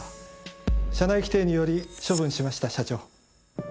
社内規定により処分しました社長。